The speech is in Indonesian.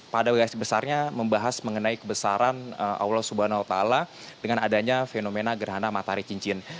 pada bagasi besarnya membahas mengenai kebesaran allah swt dengan adanya fenomena gerhana matahari cincin